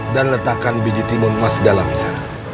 dan letakkan biji timun emas dalamnya